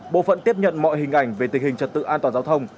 bộ phận tiếp nhận mọi hình ảnh về tình hình trật tự an toàn giao thông